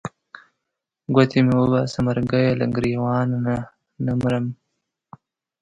ګوتې مې وباسه مرګیه له ګرېوانه نه مرم.